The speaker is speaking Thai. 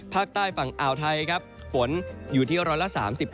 ภาคใต้ฝั่งอาวไทยฝนอยู่ที่ร้อนละ๓๐องศาเชียวพื้นที่